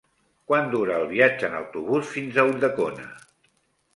Quant dura el viatge en autobús fins a Ulldecona?